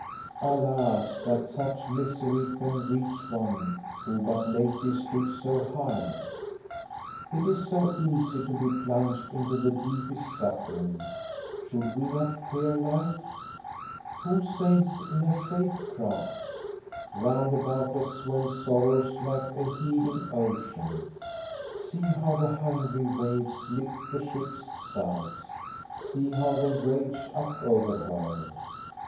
Alas, that such misery can reach one, who but lately stood so high ! It is so easy to be plunged into the deepest suffering ! Should we not fear life ? Who sails in a safe craft? Round about us swell sorrows like a heaving ocean ; see how the hungry waves lick the ship's sides, see how they rage up over her.